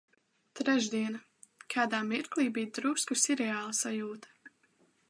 Trešdiena. Kādā mirklī bija drusku sirreāla sajūta.